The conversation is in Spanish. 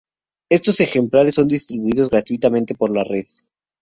Estos ejemplares son distribuidos gratuitamente por la red.